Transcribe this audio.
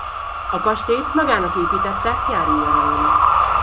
A kastélyt magának építette nyári nyaralónak.